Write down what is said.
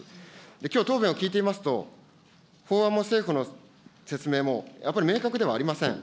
きょう答弁聞いてますと、法案も政府の説明も、やっぱり明確ではありません。